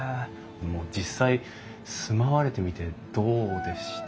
実際住まわれてみてどうでしたかね？